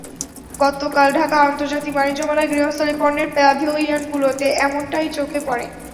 গতকাল ঢাকা আন্তর্জাতিক বাণিজ্য মেলায় গৃহস্থালি পণ্যের প্যাভিলিয়নগুলোতে এমনটাই চোখে পড়ে।